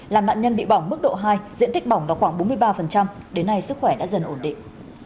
làm nạn nhân bị bỏng mức độ hai diện tích bỏng là khoảng bốn mươi ba đến nay sức khỏe đã dần ổn định